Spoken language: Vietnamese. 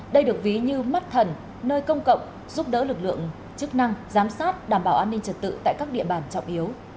đây được ví như mắt thần nơi công cộng giúp đỡ lực lượng chức năng giám sát đảm bảo an ninh trật tự tại các địa bàn trọng yếu